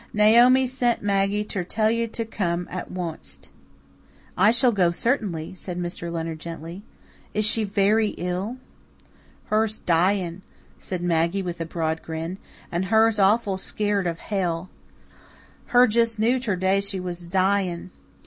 "Naomi sent Maggie ter tell yer ter come at onct." "I shall go, certainly," said Mr. Leonard gently. "Is she very ill?" "Her's dying," said Maggie with a broad grin. "And her's awful skeered of hell. Her just knew ter day her was dying.